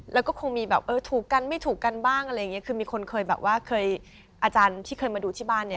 แล้วก็คงมีแบบเออถูกกันไม่ถูกกันบ้างอะไรอย่างเงี้คือมีคนเคยแบบว่าเคยอาจารย์ที่เคยมาดูที่บ้านเนี่ย